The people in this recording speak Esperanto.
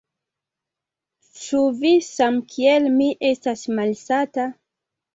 Ĉu vi samkiel mi estas malsata?